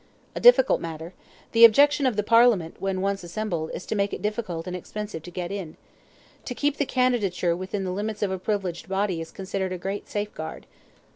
"A difficult matter. The object of the Parliament, when once assembled, is to make it difficult and expensive to get in. To keep the candidature within the limits of a privileged body is considered a great safeguard."